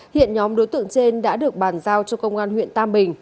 hiện nhóm đối tượng trên đã được bàn giao cho công an huyện tam bình